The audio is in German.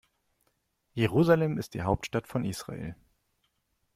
Jerusalem ist die Hauptstadt von Israel.